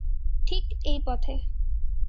ঠিক এই পথে।